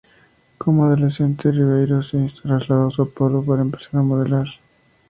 Como adolescente, Ribeiro se trasladó a São Paulo para empezar a modelar.